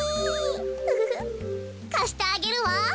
ウフフかしてあげるわ。